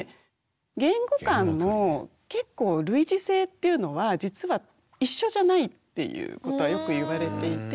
言語間の結構類似性っていうのは実は一緒じゃないっていうことはよく言われていて。